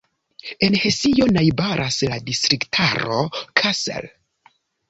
En Hesio najbaras la distriktaro Kassel.